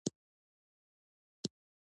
زغال د افغانانو د ګټورتیا برخه ده.